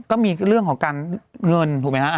ก็มีเรื่องของการเงินถูกไหมฮะ